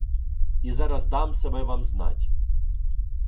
І зараз дам себе вам знать.